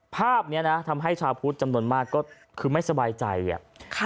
ภาพเนี้ยนะทำให้ชาวพุทธจำนวนมากก็คือไม่สบายใจอ่ะค่ะ